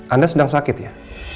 anda sedang sakit ya